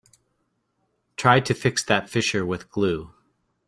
Try to fix that fissure with glue.